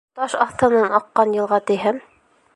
Таш аҫтынан аҡҡан йылға тиһәм